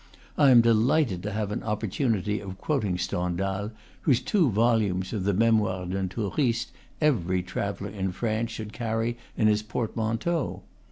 I am delighted to have an opportunity of quoting Stendhal, whose two volumes of the "Memoires d'un Touriste" every traveller in France should carry in his port manteau.